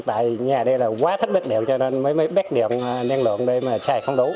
tại nhà đây là quá thích bếp điện cho nên mới bếp điện năng lượng để mà chạy không đủ